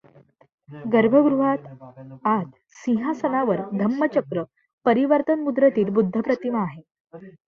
गर्भगृहात आत सिंहासनावर धम्मचक्र परिवर्तन मुद्रेतील बुद्धप्रतिमा आहे.